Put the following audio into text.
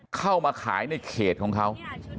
เข้ามาขายในเขตของเขา